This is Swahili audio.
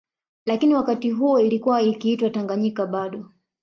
Lakini wakati huo ilikuwa ikiitwa Tanganyika bado